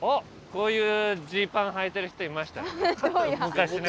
こういうジーパンはいてる人いましたよね。